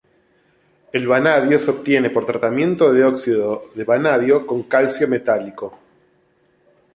El vanadio se obtiene por tratamiento de óxido de vanadio con calcio metálico.